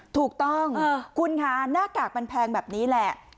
ถูกต้องคุณค่ะหน้ากากมันแพงแบบนี้แหละ